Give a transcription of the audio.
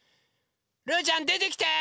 ルーちゃんでてきて！